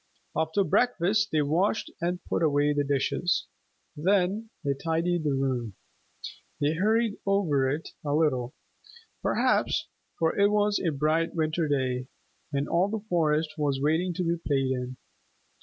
After breakfast they washed and put away the dishes. Then they tidied the room. They hurried over it a little, perhaps, for it was a bright winter day, and all the forest was waiting to be played in.